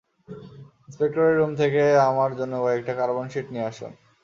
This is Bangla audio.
ইন্সপেক্টরের রুম থেকে আমার জন্য কয়েকটা কার্বন শীট নিয়ে আসুন।